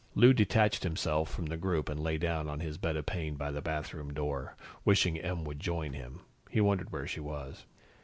Lou detached himself from the group and lay down on his bed of pain by the bathroom door. Wishing Em would join him, he wondered where she was.